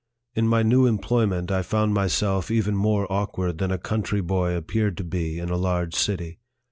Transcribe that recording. In my new employment, I found myself even more awkward than a country boy appeared to be in a large city.